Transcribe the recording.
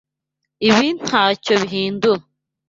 Ibi ntacyo bihindura.